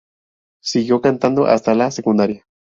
Siguió cantando hasta la secundaria.